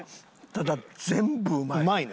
ただ全部うまい。